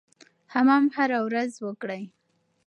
حمام هره ورځ وکړئ.